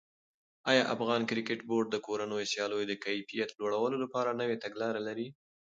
آیا افغان کرکټ بورډ د کورنیو سیالیو د کیفیت لوړولو لپاره نوې تګلاره لري؟